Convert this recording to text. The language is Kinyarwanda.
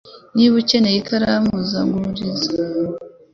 Niba ukeneye ikaramu, nzaguriza.